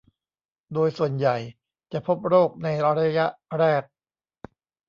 โดยส่วนใหญ่จะพบโรคในระยะแรก